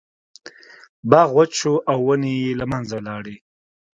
باغ وچ شو او ونې یې له منځه لاړې.